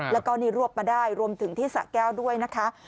แล้วก็นี่รวบมาได้รวมถึงที่สะแก้วด้วยนะคะ